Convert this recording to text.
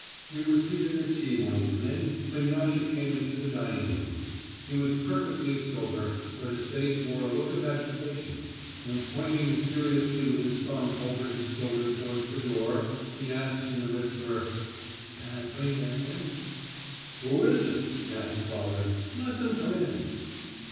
We were seated at tea one evening when Yasha came into the dining room. He was perfectly sober, but his face wore a look of agitation, and pointing mysteriously with his thumb over his shoulder towards the door, he asked in a whisper, "Can I bring them in?" "Who is it?" asked father. "Let them come in."